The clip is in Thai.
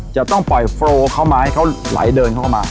จะต้องปล่อยโฟลเข้ามาให้เขาไหลเดินเข้ามา